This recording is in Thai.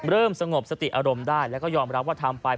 เริ่มสงบสติอารมณ์ได้แล้วก็ยอมรับว่าทำไป